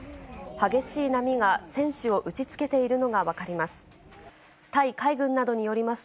激しい波が船首を打ちつけているのが分かります。